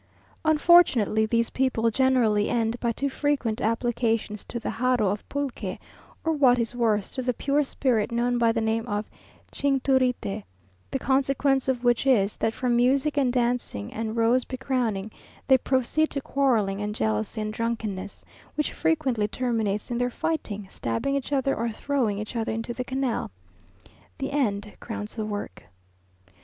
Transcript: Unfortunately these people generally end by too frequent applications to the jarro of pulque, or what is worse to the pure spirit known by the name of chingturite; the consequence of which is, that from music and dancing and rose becrowning, they proceed to quarrelling and jealousy and drunkenness, which frequently terminates in their fighting, stabbing each other, or throwing each other into the canal. "The end crowns the work."